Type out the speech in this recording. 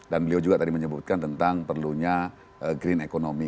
dan beliau juga tadi menyebutkan tentang perlunya green economy